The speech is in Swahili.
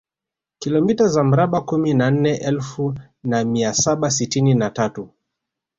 Kilomita za mraba kumi na nne elfu na mia saba sitini na tatu